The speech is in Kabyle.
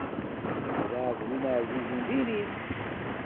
Lexdeɛ d win ɛzizen diri-t.